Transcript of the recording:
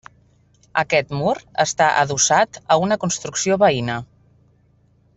Aquest mur està adossat a una construcció veïna.